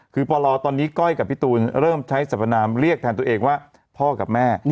คือปลตอนนี้ก้อยกับพี่ตูนเริ่มใช้สรรพนามเรียกแทนตัวเองว่าพ่อกับแม่